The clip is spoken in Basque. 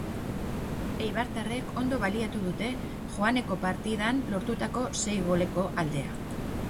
Eibartarrek ondo baliatu dute joaneko partidan lortutako sei goleko aldea.